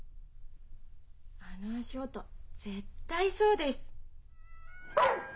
・あの足音絶対そうです。